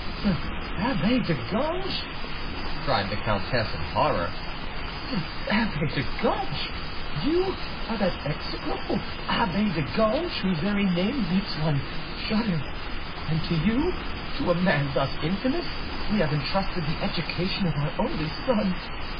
"The abbe de Ganges!" cried the countess in horror,—"the abbe de Ganges! You are that execrable abbe de Ganges whose very name makes one shudder? And to you, to a man thus infamous, we have entrusted the education of our only son?